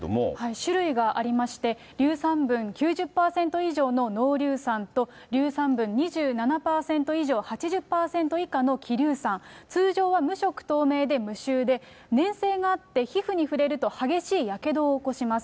種類がありまして、硫酸分９０％以上の濃硫酸と、硫酸分２７％以上８０％以下の希硫酸、通常は無色透明で無臭で、、粘性があって皮膚に触れると、激しいやけどを起こします。